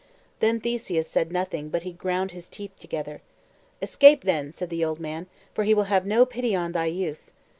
Then Theseus said nothing; but he ground his teeth together. "Escape, then," said the old man, "for he will have no pity on thy youth.